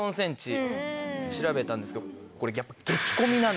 調べたんですけどこれやっぱ。